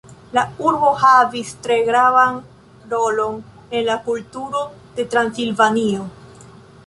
La urbo havis tre gravan rolon en la kulturo de Transilvanio.